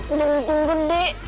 udah ngukum gede